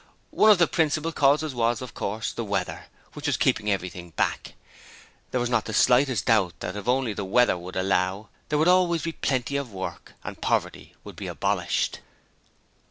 One of the principal causes was, of course, the weather, which was keeping everything back. There was not the slightest doubt that if only the weather would allow there would always be plenty of work, and poverty would be abolished.